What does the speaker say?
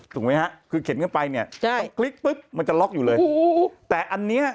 คลิกถูกไหมคือเข็นขึ้นไป